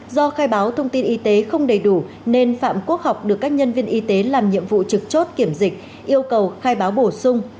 do khai báo thông tin y tế không đầy đủ nên phạm quốc học được các nhân viên y tế làm nhiệm vụ trực chốt kiểm dịch yêu cầu khai báo bổ sung